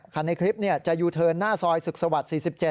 คันในคลิปจะอยู่เทิร์นหน้าซอยศึกษวรรษ๔๗